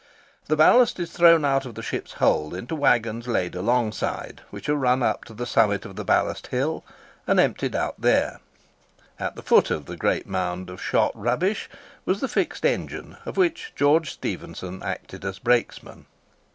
The ballast is thrown out of the ships' holds into waggons laid alongside, which are run up to the summit of the Ballast Hill, and emptied out there. At the foot of the great mound of shot rubbish was the fixed engine of which George Stephenson acted as brakesman.